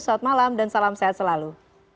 selamat malam dan salam sehat selalu